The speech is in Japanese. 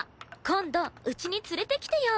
今度家に連れてきてよ。